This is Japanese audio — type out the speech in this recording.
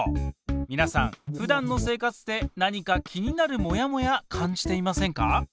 みなさんふだんの生活で何か気になるモヤモヤ感じていませんか？